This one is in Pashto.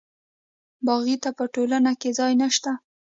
باغي ته په ټولنه کې ځای نشته.